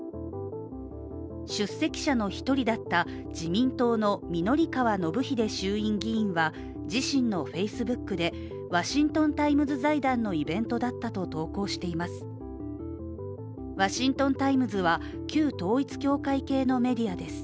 出席者の一人だった自民党の御法川信英衆院議員は、自身のＦａｃｅｂｏｏｋでワシントン・タイムズ財団のイベントだったと投稿しています。